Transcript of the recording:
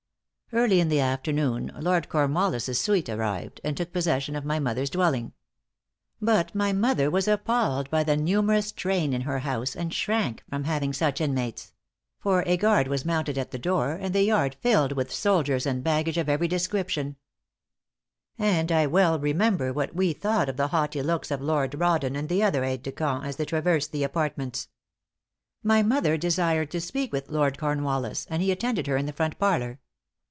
Early in the afternoon Lord Cornwallis's suite arrived, and took possession of my mother's dwelling. But my mother was appalled by the numerous train in her house, and shrank from having such inmates; for a guard was mounted at the door, and the yard filled with soldiers and baggage of every description; and I well remember what we thought of the haughty looks of Lord Rawdon and the other aid de camp, as they traversed the apartments. My mother desired to speak with Lord Cornwallis, and he attended her in the front parlor.